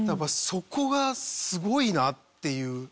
そこがすごいなっていう。